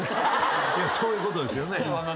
そういうことですよね。